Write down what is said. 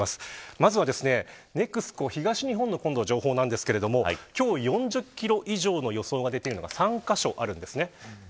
まずはＮＥＸＣＯ東日本の情報ですが今日４０キロ以上の予想が出ているのが３カ所あるんですね。